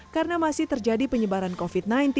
karena masih terjadi penyebaran covid sembilan belas